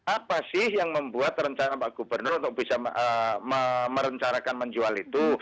apa sih yang membuat rencana pak gubernur untuk bisa merencanakan menjual itu